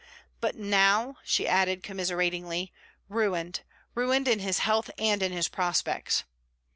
'But now,' she added commiseratingly, 'ruined; ruined in his health and in his prospects.'